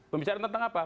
pembicaraan tentang apa